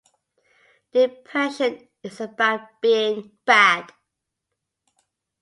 Depression is about being bad.